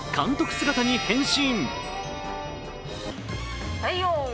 姿に変身。